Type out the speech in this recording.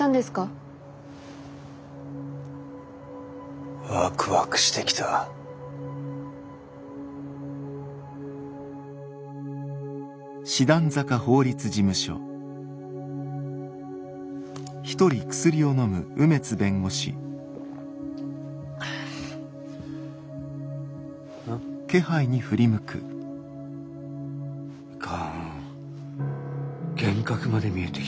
いかん幻覚まで見えてきたか。